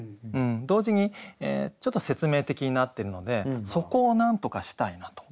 同時にちょっと説明的になってるのでそこをなんとかしたいなと。